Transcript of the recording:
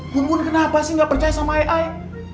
bunbun kenapa sih gak percaya sama ai ai